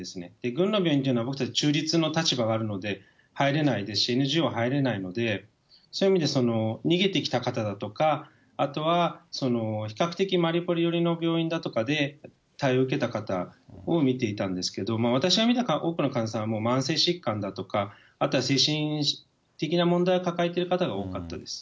軍の病院というのは、僕たち中立の立場があるので、入れないですし、ＮＧＯも入れないので、そういう意味で逃げてきた方だとか、あとは比較的マリウポリ寄りの病院だとかで対応を受けた方を診ていたんですけれども、私が診た多くの患者さんは慢性疾患だとか、あとは精神的な問題を抱えている方が多かったです。